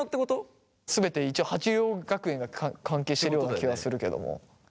全て一応鉢涼学園が関係しているような気はするけども。